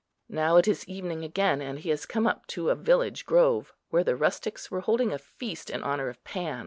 Now it is evening again, and he has come up to a village grove, where the rustics were holding a feast in honour of Pan.